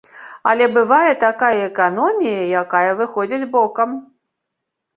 Але бывае такая эканомія, якая выходзіць бокам.